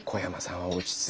はい。